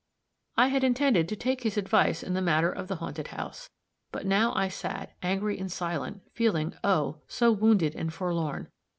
I had intended to take his advice in the matter of the haunted house; but now I sat, angry and silent, feeling, oh, so wounded and forlorn.